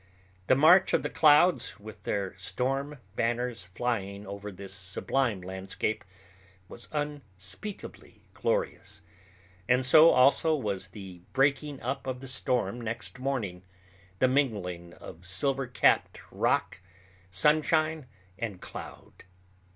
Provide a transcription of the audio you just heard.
The march of the clouds with their storm banners flying over this sublime landscape was unspeakably glorious, and so also was the breaking up of the storm next morning—the mingling of silver capped rock, sunshine, and cloud.